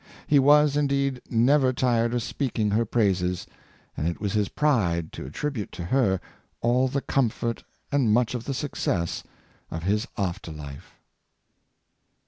He was, indeed, never tired of speaking her praises, and it was his pride to at tribute to her all the comfort and much of the success of his after life.